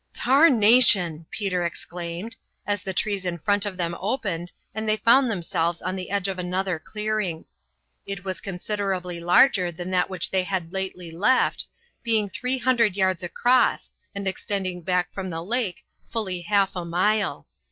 "Tarnation!" Peter exclaimed, as the trees in front of them opened and they found themselves on the edge of another clearing. It was considerably larger than that which they had lately left, being three hundred yards across, and extending back from the lake fully half a mile.